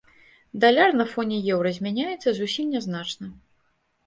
Даляр на фоне еўра змяняецца зусім нязначна.